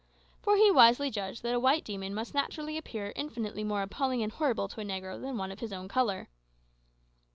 For he wisely judged that a white demon must naturally appear infinitely more appalling and horrible to a negro than one of his own colour.